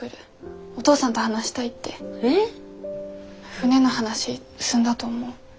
船の話すんだと思う。